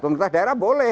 pemerintah daerah boleh